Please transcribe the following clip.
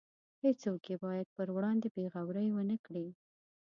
هیڅوک یې باید پر وړاندې بې غورۍ ونکړي.